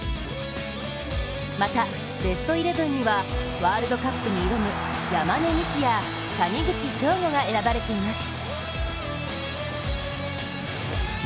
また、ベストイレブンにはワールドカップに挑む山根視来や谷口彰悟が選ばれています。